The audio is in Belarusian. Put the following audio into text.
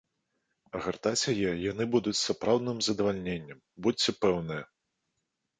А гартаць яе яны будуць з сапраўдным задавальненнем, будзьце пэўныя!